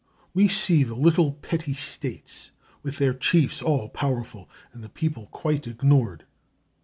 We see the little, petty states, with their chiefs all powerful, and the people quite ignored.